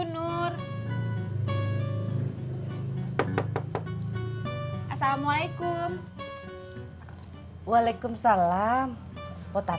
tuh ini itu ga tipsnya